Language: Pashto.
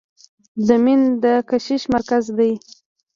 زمین د کشش مرکز دی.